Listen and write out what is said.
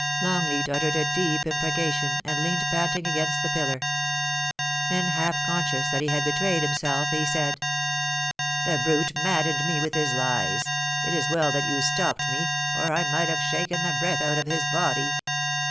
Longleat uttered a deep imprecation, and leaned panting against the pillar ; then half conscious that he had betrayed himself, he said :* The brute maddened me with his lies. It is well that you stopped me, or I might have shaken the breath out of his body.